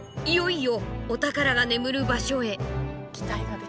いよいよお宝が眠る場所へ。